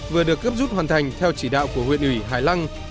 vừa được cấp rút hoàn thành theo chỉ đạo của huyện ủy hải lăng